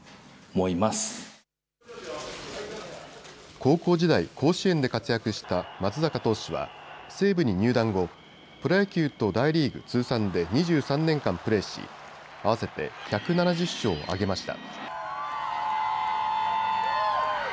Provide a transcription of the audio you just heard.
高校時代、甲子園で活躍した松坂投手は西武に入団後、プロ野球と大リーグ通算で２３年間プレーし合わせて１７０勝を挙げました。